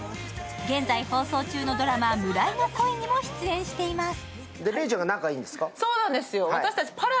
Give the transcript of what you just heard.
現在放送中のドラマ「村井の恋」にも出演しています。